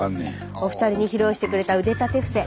お二人に披露してくれた腕立て伏せ。